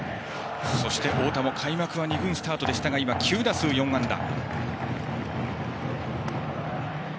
そして太田も開幕は２軍スタートでしたが今は９打数４安打。